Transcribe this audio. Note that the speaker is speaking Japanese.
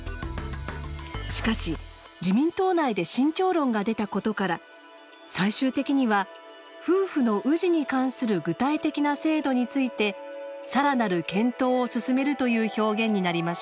しかし自民党内で慎重論が出たことから最終的には夫婦の氏に関する具体的な制度について「さらなる検討を進める」という表現になりました。